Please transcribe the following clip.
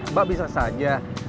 mbak bisa saja